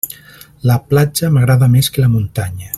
La platja m'agrada més que la muntanya.